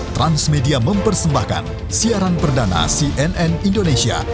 transmedia mempersembahkan siaran perdana cnn indonesia